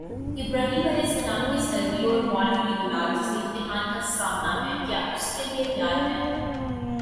ابراہیمؑ کی صلبی اور معنوی اولاد، جسے امتحان کا سامنا ہے، کیا اس کے لیے تیار ہے؟